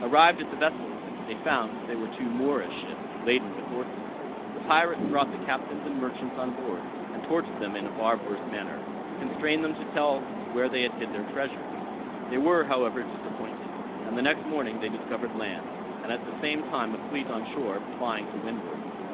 Arrived at the vessels, they found that they were two Moorish ships, laden with horses. The pirates brought the captains and merchants on board, and tortured them in a barbarous manner, to constrain them to tell where they had hid their treasure. They were, however, disappointed; and the next morning they discovered land, and at the same time a fleet on shore plying to windward.